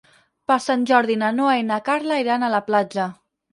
Per Sant Jordi na Noa i na Carla iran a la platja.